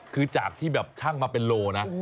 คือจากที่แบบช่างมาเป็นโลนะ